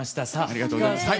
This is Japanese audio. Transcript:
ありがとうございます。